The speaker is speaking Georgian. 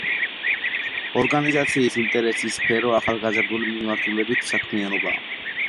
ორგანიზაციის ინტერესის სფერო ახალგაზრდული მიმართულებით საქმიანობაა.